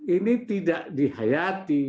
ini tidak dihayati